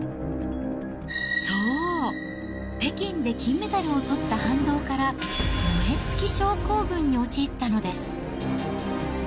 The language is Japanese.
そう、北京で金メダルをとった反動から、燃え尽き症候群に陥ったのです。